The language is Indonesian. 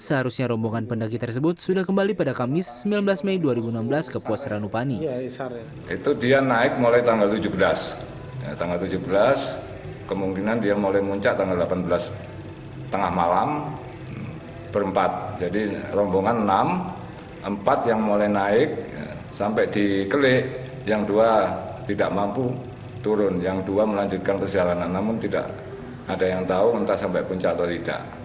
seharusnya rombongan pendaki tersebut sudah kembali pada kamis sembilan belas mei dua ribu enam belas ke pos ranupani